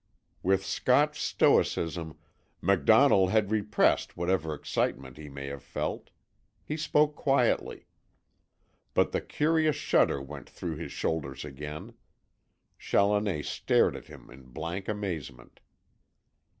With Scotch stoicism MacDonnell had repressed whatever excitement he may have felt. He spoke quietly. But the curious shudder went through his shoulders again. Challoner stared at him in blank amazement.